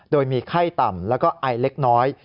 โดยมีไข้ต่ำแล้วก็ไอเล็กน้อย